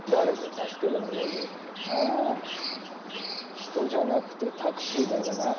人じゃなくてタクシーだがな。